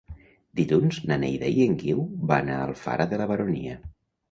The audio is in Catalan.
Dilluns na Neida i en Guiu van a Alfara de la Baronia.